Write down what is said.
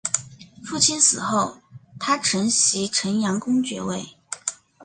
父亲死后他承袭城阳公爵位。